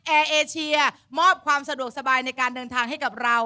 แอร์เอเชียมอบความสะดวกสบายในการเดินทางให้กับเรา